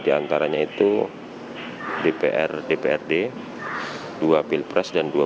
di rumah pemilu kompas tv independen terpercaya